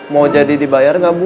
mau jadi dibayar nggak bu